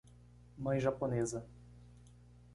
Mãe japonesa